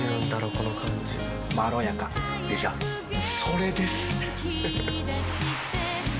この感じまろやかでしょそれです！